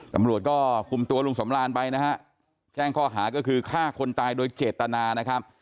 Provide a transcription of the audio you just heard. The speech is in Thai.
ตำรวจก็คุมตัวลุงสำรานไปนะฮะแจ้งข้อหาก็คือฆ่าคนตายโดยเจตนานะครับ